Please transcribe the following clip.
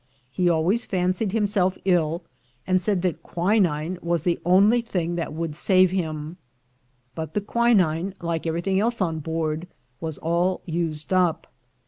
He always fancied himself ill, and said that quinine was the only thing that would save him ; but the quinine, like everything else on board, was all used up.